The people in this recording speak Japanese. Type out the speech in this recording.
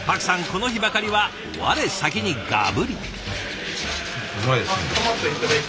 この日ばかりは我先にガブリ。